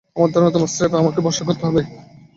আমার ধারণা তোমার স্রেফ আমাকে ভরসা করতে হবে।